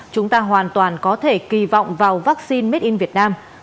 chúng ta hoàn toàn có thể kỳ vọng vào vaccine made in việt nam